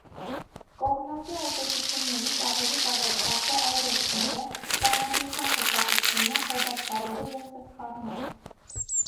Կողմնակի ազդցություններից ավելի տարածված է այրոցները, տրամադրության փոփոխությունը, հոդացավերը և սրտխառնոց։